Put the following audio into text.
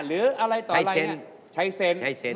หรืออะไรต่ออะไรใช้เซ็นต์